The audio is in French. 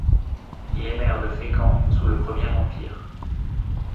Il est maire de Fécamp sous le Premier Empire.